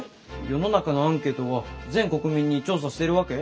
世の中のアンケートは全国民に調査してるわけ？